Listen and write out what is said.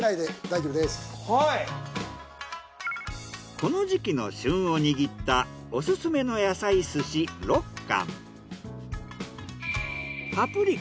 この時期の旬を握ったオススメの野菜寿司６貫。